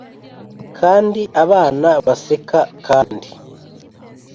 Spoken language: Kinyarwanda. kandi abana baseka kandi